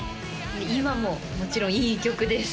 今ももちろんいい曲です